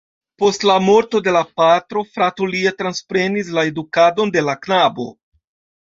Post la morto de la patro frato lia transprenis la edukadon de la knabo.